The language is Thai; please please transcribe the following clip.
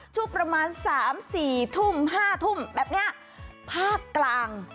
ช่วงประมาณสามสี่ทุ่มห้าทุ่มแบบเนี้ยภาคกลาง